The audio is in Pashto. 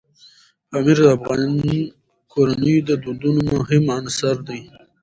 پامیر د افغان کورنیو د دودونو مهم عنصر دی.